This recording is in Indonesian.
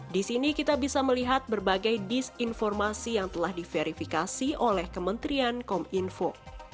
di sini kita bisa melihat berbagai disinformasi yang telah diverifikasi oleh kementerian kominfo